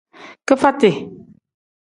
Kifati.